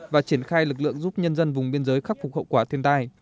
và triển khai lực lượng giúp nhân dân vùng biên giới khắc phục hậu quả thiên tai